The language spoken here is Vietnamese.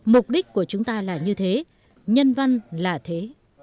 mục đích của chúng ta là như thế nhân văn là thế